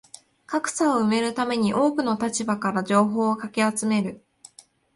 格差を埋めるために多くの立場からの情報をかき集める